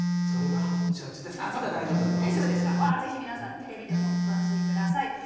ぜひ皆さんテレビでもお楽しみください。